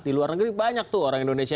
di luar negeri banyak tuh orang indonesia